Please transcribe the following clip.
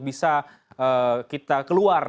bisa kita keluar